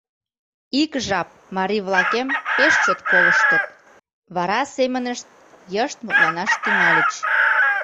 Ик жап марий-влакем пеш чот колыштыт, вара семынышт йышт мутланаш тӱҥальыч: